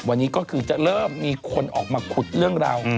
วันนี้ก็คือจะเริ่มมีคนออกมาขุดเรื่องราว